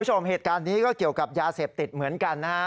คุณผู้ชมเหตุการณ์นี้ก็เกี่ยวกับยาเสพติดเหมือนกันนะฮะ